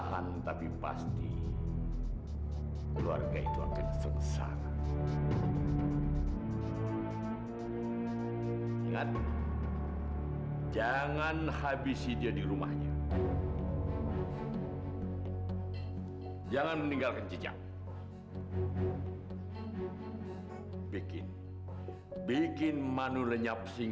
maaf papa aku enggak punya pilihan lain